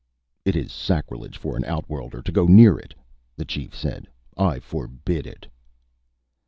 "It is sacrilege for an outworlder to go near it," the chief said. "I forbid it."